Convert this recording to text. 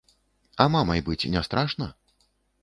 А мамай быць не страшна?